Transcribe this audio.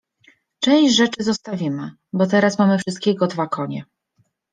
Część rzeczy zostawimy, bo teraz mamy wszystkiego dwa konie.